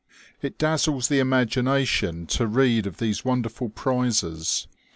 It dazzles the imagination to read of these wonderful prizes.